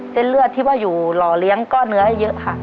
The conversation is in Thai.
เลือดที่ว่าอยู่หล่อเลี้ยงก้อนเนื้อให้เยอะค่ะ